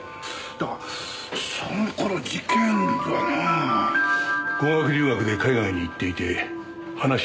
だがその頃事件とはなあ。語学留学で海外に行っていて話を聞く事は出来なかった。